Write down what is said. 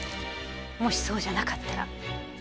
もしそうじゃなかったら。